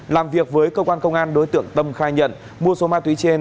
làm việc với cơ quan công an đối tượng tâm khai nhận mua số ma túy trên